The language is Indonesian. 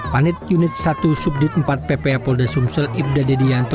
panit unit satu subdit empat ppa polda sumsel ibda dedianto